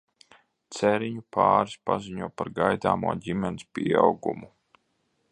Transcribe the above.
Ceriņu pāris paziņo par gaidāmo ģimenes pieaugumu.